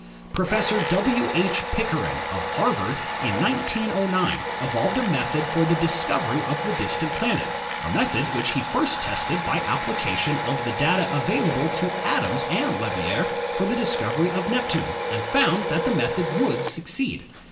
Professor W. H. Pickering, of Harvard, in 1909 evolved a method for the discovery of the distant planet, a method which he first tested by application of the data available to Adams and Leverrier for the discovery of Neptune, and found that the method would succeed.